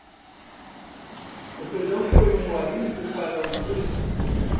O perdão foi um alívio para os dois